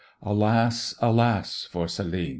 Alas! Alas! for Celin.